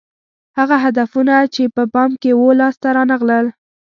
هغه هدفونه چې په پام کې وو لاس ته رانه غلل